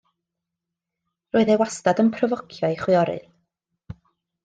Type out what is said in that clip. Roedd e wastad yn pryfocio ei chwiorydd.